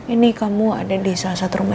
ini kamu ada di salah satu rumah